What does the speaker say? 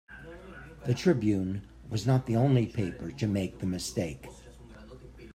The "Tribune" was not the only paper to make the mistake.